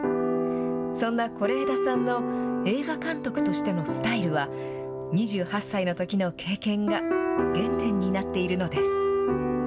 そんな是枝さんの映画監督としてのスタイルは、２８歳のときの経験が原点になっているのです。